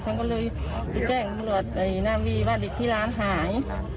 ฉันก็เลยไปแจ้งรวดไอ้น้ำวีบ้านอีกที่ร้านหาย